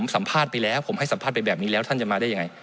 สัมภาษณ์ไปแล้วท่านจะมาได้ยังไง